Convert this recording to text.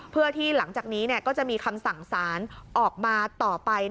เพื่อที่หลังจากนี้ก็จะมีคำสั่งสารออกมาต่อไป